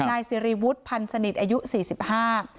นายสิริวุฒิพันธ์สนิทอายุสี่สิบห้า